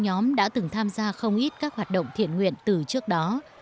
nhóm đã từng tham gia không ít các hoạt động thiện nguyện từ trước đó